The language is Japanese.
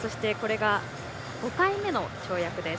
５回目の跳躍です。